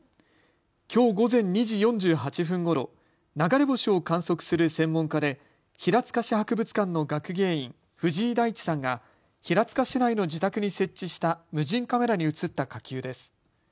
きょう午前２時４８分ごろ流れ星を観測する専門家で平塚市博物館の学芸員藤井大地さんが平塚市内の自宅に設置した無人カメラに映った火球です。